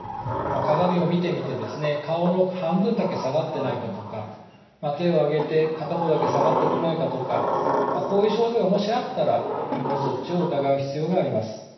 鏡を見てみてですね顔の半分だけ下がってないかとか手を上げて片方だけ下がってこないかとかこういう症状がもしあったら脳卒中を疑う必要があります。